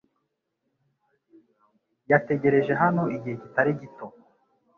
Yategereje hano igihe kitari gito .